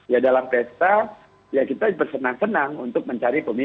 ya dalam pesta ya kita bersenang senang untuk mencari pemimpin